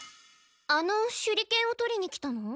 あの手裏剣を取りに来たの？